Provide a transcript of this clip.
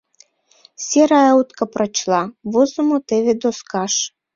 «Серая утка прочла», Возымо теве доскаш.